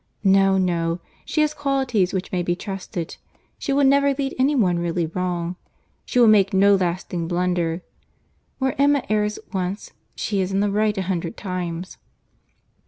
No, no; she has qualities which may be trusted; she will never lead any one really wrong; she will make no lasting blunder; where Emma errs once, she is in the right a hundred times."